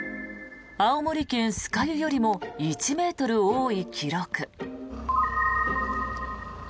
青森県酸ケ湯よりも１ｍ多い記録。